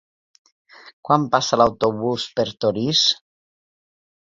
Quan passa l'autobús per Torís?